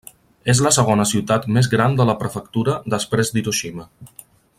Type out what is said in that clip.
És la segona ciutat més gran de la prefectura després d'Hiroshima.